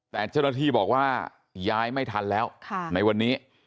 แต่เจ้าหน้าที่บอกว่าย้ายไม่ทันแล้วในวันนี้